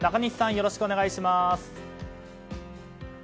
よろしくお願いします。